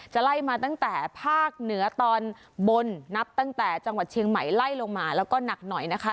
ไล่มาตั้งแต่ภาคเหนือตอนบนนับตั้งแต่จังหวัดเชียงใหม่ไล่ลงมาแล้วก็หนักหน่อยนะคะ